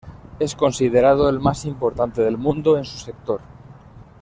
Es considerado el más importante del mundo en su sector.